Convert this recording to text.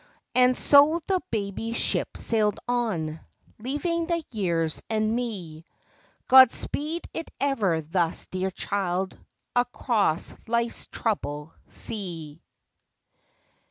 And so the baby's ship sailed on Leaving the years and me; God speed it ever thus dear child, Across life's troubled sea.